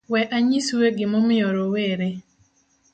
We anyisue gimomiyo rowere